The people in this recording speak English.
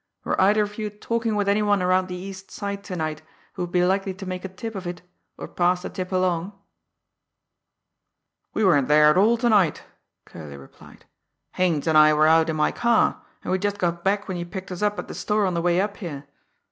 "Were either of you talking with any one around the East Side to night who would be likely to make a tip of it, or pass the tip along?" "We weren't there at all to night," Curley replied. "Haines and I were out in my car, and we'd just got back when you picked us up at the store on the way up here.